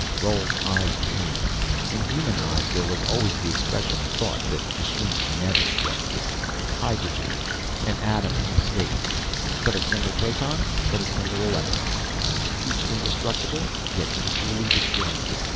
Roal's eyes dreamed. In human eyes there was always the expression of thought that machines never show. "Hydrogen, an atom in space; but a single proton; but a single electron; each indestructible; each mutually destroying.